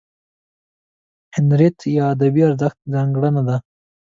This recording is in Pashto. هنریت یا ادبي ارزښت ځانګړنه ده.